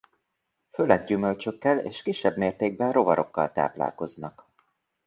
Főleg gyümölcsökkel és kisebb mértékben rovarokkal táplálkoznak.